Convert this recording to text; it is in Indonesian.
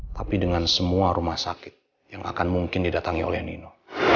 tapi dengan semua rumah sakit yang akan mungkin didatangi oleh nino